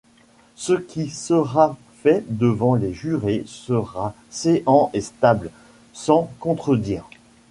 Ce qui sera fait devant les jurés sera séant et stable, sans contredire.